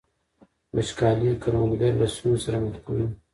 وچکالي کروندګر له ستونزو سره مخ کوي.